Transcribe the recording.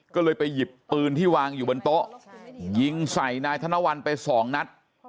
ก็เลยไปหยิบปืนที่วางอยู่บนโต๊ะยิงใส่นายธนวัลไปสองนัด